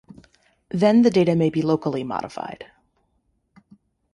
Then the data may be locally modified.